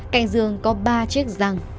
cạnh giường có ba chiếc răng